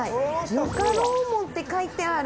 「よかろうもん」って書いてある。